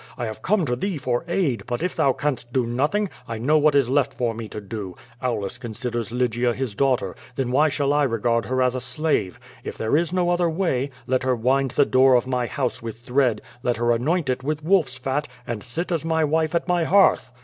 I have come to thee for aid, but if thou canst do nothing, I know what is left for me to do. Aulus considers j4 Q^'O r.4/>/.s?. Lygia his daughter; tlien why sliall I regard her as a slave? If there is no other way, let her wind the door of my house with thread; let her anoint it with wolf's fat, and sit as my wife at my hearth."